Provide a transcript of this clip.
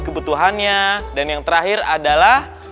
kebutuhannya dan yang terakhir adalah